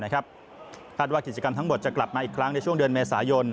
คาดว่ากิจกรรมทั้งหมดจะกลับมาอีกครั้งในช่วงเดือนเมษายน